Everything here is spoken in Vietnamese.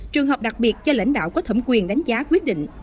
trường hợp đặc biệt cho lãnh đạo có thẩm quyền đánh giá quyết định